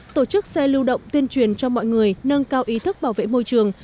tổ chức xe lưu động tuyên truyền cho mọi người nâng cao ý thức bảo vệ môi trường